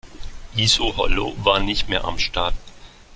Iso-Hollo war nicht mehr am Start.